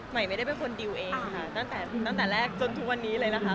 ใหม่ไม่ได้เป็นคนดิวเองค่ะตั้งแต่ตั้งแต่แรกจนทุกวันนี้เลยนะคะ